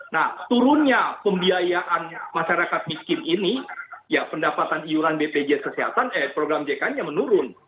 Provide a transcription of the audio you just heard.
nah turunnya pembiayaan masyarakat miskin ini ya pendapatan iuran bpj program jkn menurun